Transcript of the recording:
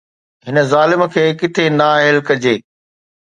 هن ظالم کي ڪٿي نااهل ڪجي؟